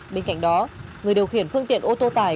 bên cạnh đó người điều khiển phương tiện ô tô tải